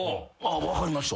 「分かりました」